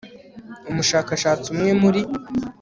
umushakashatsi umwe wo muri